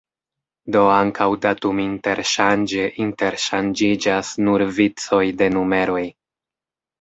Do ankaŭ datuminterŝanĝe interŝanĝiĝas nur vicoj de numeroj.